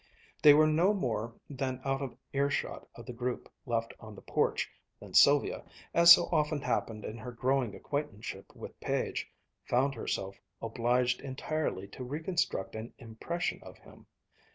They were no more than out of earshot of the group left on the porch, than Sylvia, as so often happened in her growing acquaintanceship with Page, found herself obliged entirely to reconstruct an impression of him.